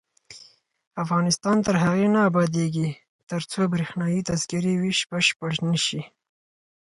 افغانستان تر هغو نه ابادیږي، ترڅو بریښنايي تذکرې ویش بشپړ نشي.